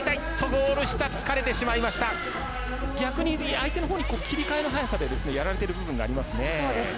相手に切り替えの早さでやられてる部分がありますね。